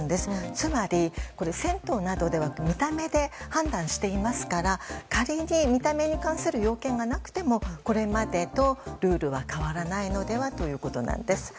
つまり、銭湯などでは見た目で判断していますから仮に見た目に関する要件がなくてもこれまでとルールは変わらないのではということです。